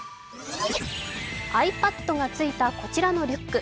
ｉＰａｄがついたこちらのリュック。